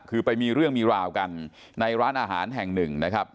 คือไปมีเรื่องมีราวกันในร้านอาหารแห่งหนึ่งนะครับ